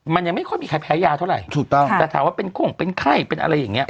มันยังไม่ค่อยมีใครแพ้ยาเท่าไหร่ถูกต้องแต่ถามว่าเป็นโค้งเป็นไข้เป็นอะไรอย่างเงี้